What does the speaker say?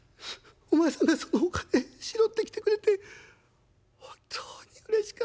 お前さんがそのお金拾ってきてくれて本当にうれしかった。